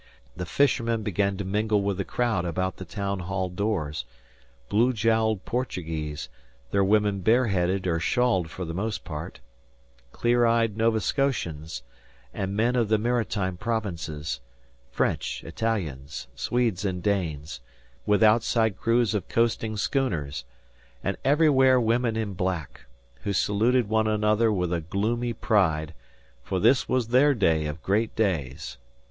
The fishermen began to mingle with the crowd about the town hall doors blue jowled Portuguese, their women bare headed or shawled for the most part; clear eyed Nova Scotians, and men of the Maritime Provinces; French, Italians, Swedes, and Danes, with outside crews of coasting schooners; and everywhere women in black, who saluted one another with gloomy pride, for this was their day of great days.